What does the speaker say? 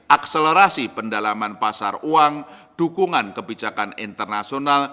akselerasi pendalaman pasar uang dukungan kebijakan internasional